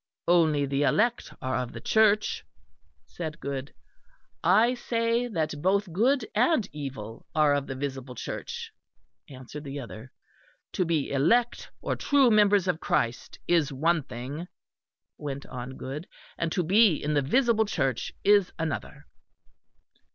"Only the elect are of the Church," said Goode. "I say that both good and evil are of the visible Church," answered the other. "To be elect or true members of Christ is one thing," went on Goode, "and to be in the visible Church is another."